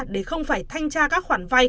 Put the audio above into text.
để không phải thanh tra các khoản vay